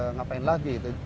ngapain lagi itu